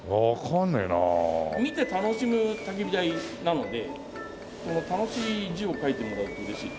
見て楽しむ焚き火台なので楽しい字を描いてもらえると嬉しいです。